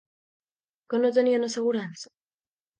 Que no tenien assegurança?